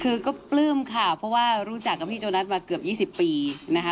คือก็ปลื้มค่ะเพราะว่ารู้จักกับพี่โจนัสมาเกือบ๒๐ปีนะคะ